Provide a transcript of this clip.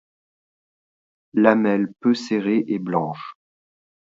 Lamelles peu serrées et blanches.